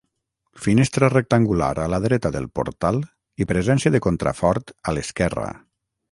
Finestra rectangular a la dreta del portal i presència de contrafort a l'esquerra.